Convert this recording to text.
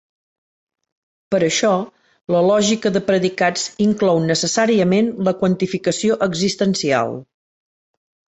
Per això la lògica de predicats inclou necessàriament la quantificació existencial.